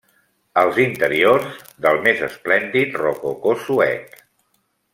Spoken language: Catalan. Els interiors del més esplèndid rococó suec.